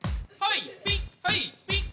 ピッ！